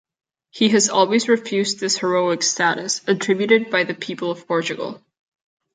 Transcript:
He has always refused this heroic status, attributed by the people of Portugal.